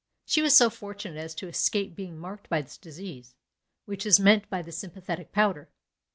She was so fortunate as to escape being marked by this disease; which is meant by the sympathetic powder.